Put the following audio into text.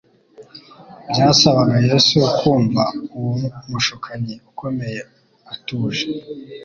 Byasabaga Yesu kumva uwo mushukanyi ukomeye atuje.